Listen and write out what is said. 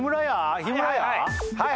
はい